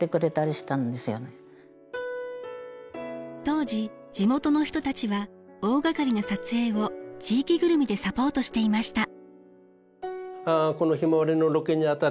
当時地元の人たちは大がかりな撮影を地域ぐるみでサポートしていました。